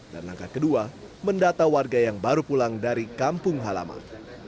dan langkah kedua mendata warga yang baru pulang dari kampung halaman